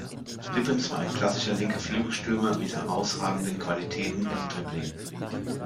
Lippens war ein klassischer linker Flügelstürmer mit herausragenden Qualitäten beim Dribbling.